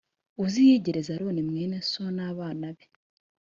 uziyegereze aroni mwene so n abana be